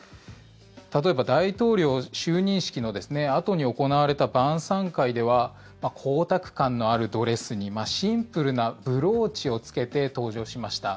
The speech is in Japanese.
例えば、大統領就任式のあとに行われた晩さん会では光沢感のあるドレスにシンプルなブローチをつけて登場しました。